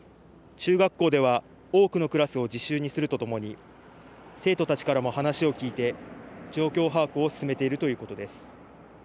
中学校では多くのクラスを自習にするとともに生徒たちからも話を聞いて状況把握を進めているということです。